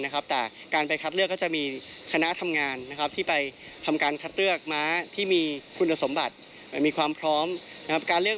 สีแซมขาวเพศเมียอายุ๑๑ปีความสูง๑๗๐เซนติเมตรจากสหพันธ์สาธารัฐเยอรมนี